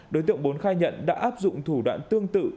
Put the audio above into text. đối tượng bốn khai nhận đã áp dụng thủ đoạn tương tự